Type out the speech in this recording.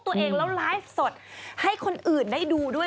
ตัวเองแล้วไลฟ์สดให้คนอื่นได้ดูด้วย